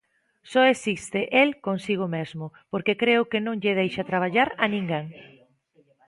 Só existe el consigo mesmo, porque creo que non lle deixa traballar a ninguén.